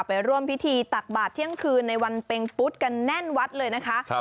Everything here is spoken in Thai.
ไปร่วมพิธีตักบาทเที่ยงคืนในวันเป็งปุ๊ดกันแน่นวัดเลยนะคะ